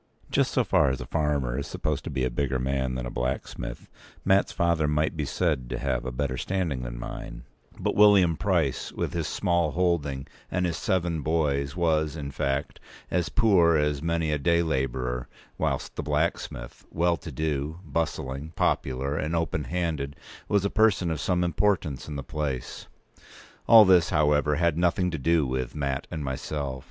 Just so far as a farmer is supposed to be a bigger man than a blacksmith, Mat's father might be said to have a better standing than mine; but William Price, with his small holding and his seven boys, was, in fact, as poor as many a day labourer; whilst the blacksmith, well to do, bustling, popular, and open handed, was a person of some importance in the place. All p. 189this, however, had nothing to do with Mat and myself.